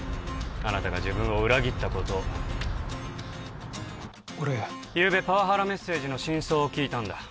あなたが自分を裏切ったことゆうべパワハラメッセージの真相を聞いたんだ